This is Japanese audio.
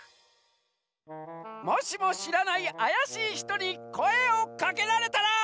もしもしらないあやしいひとにこえをかけられたら！